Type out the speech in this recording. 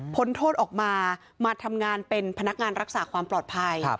โทษออกมามาทำงานเป็นพนักงานรักษาความปลอดภัย